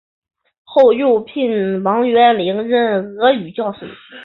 后又聘王元龄任俄语教师。